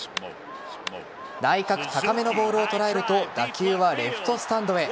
内角高めのボールを捉えると打球はレフトスタンドへ。